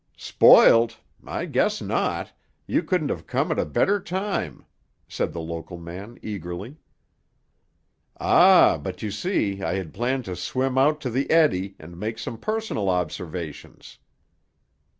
"Spoilt? I guess not. You couldn't have come at a better time," said the local man eagerly. "Ah, but you see, I had planned to swim out to the eddy, and make some personal observations."